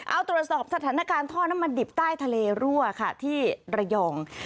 เอาตรวจสอบสถานการณ์ท่อน้ำมันดิบใต้ทะเลรั่วค่ะที่ระยอง